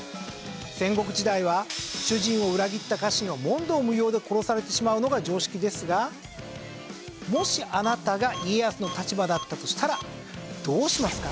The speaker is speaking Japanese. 戦国時代は主人を裏切った家臣は問答無用で殺されてしまうのが常識ですがもしあなたが家康の立場だったとしたらどうしますか？